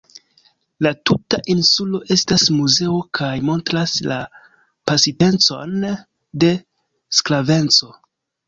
La tuta insulo estas muzeo kaj montras la pasintecon de sklaveco.